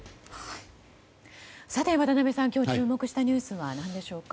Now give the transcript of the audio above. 渡辺さん、今日注目したニュースは何でしょうか。